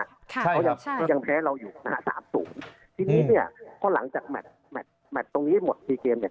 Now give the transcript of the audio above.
เขายังแพ้เราอยู่นะฮะ๓สูงทีนี้เนี่ยก็หลังจากแมทตรงนี้หมดทีเกมเนี่ย